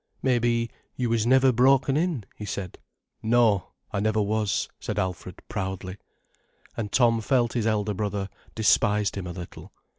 "Maybe you was never broken in," he said. "No, I never was," said Alfred proudly. And Tom felt his elder brother despised him a little.